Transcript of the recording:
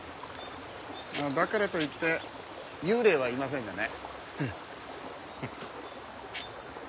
だからといって幽霊はいませんがね。